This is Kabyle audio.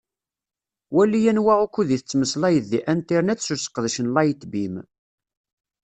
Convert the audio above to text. Wali anwa ukud i tettmeslayeḍ di Internet s useqdec n Lightbeam.